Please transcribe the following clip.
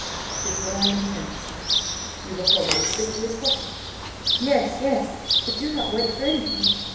"'Tis what I intend, sir. You will follow as swiftly as possible?" "Yes, yes, but do not wait for anything!